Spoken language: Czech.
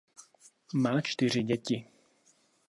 Má čtyři děti.